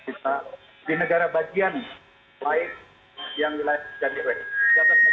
pada masa kita di negara bagian baik yang jadil